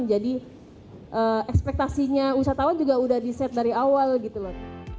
jadi ekspektasinya wisatawan juga sudah di set dari awal gitu loh